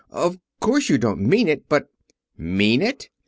Of course you don't mean it, but " "Mean it!